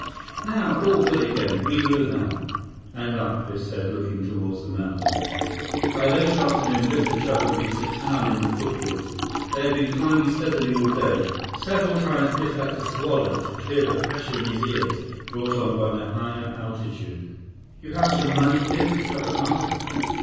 "Now, all good again. We move out." "And up," Biff said, looking toward the mountains. By late afternoon, Biff and Chuba reached a town in the foothills. They had been climbing steadily all day. Several times Biff had to swallow to clear the pressure in his ears, brought on by the higher altitude. "You have some money, Biff?" Chuba asked.